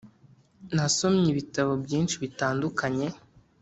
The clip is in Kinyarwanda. Nasomye ibitabo byinshi bitandukanye: